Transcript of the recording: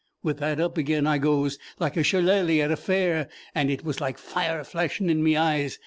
With that up again I goes, like a shellaly at a fair; and it was like fire flashing in me eyes.